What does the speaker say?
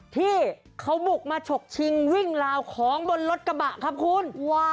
ที่เขาบุกมาฉกชิงวิ่งลาวของบนรถกระบะครับคุณ